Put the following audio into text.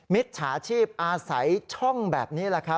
มิจฉาชีพอาศัยช่องแบบนี้แหละครับ